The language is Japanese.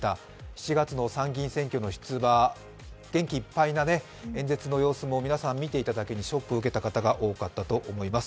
７月の参議院選挙の出馬、元気いっぱいの演説の様子も皆さん見ていただけにショックを受けた方も多かったと思います。